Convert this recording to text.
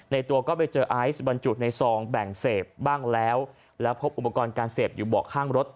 ตัวก็ไปเจอไอซ์บรรจุในซองแบ่งเสพบ้างแล้วแล้วพบอุปกรณ์การเสพอยู่เบาะข้างรถ